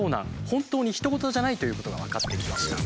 本当にひと事じゃないということが分かってきました。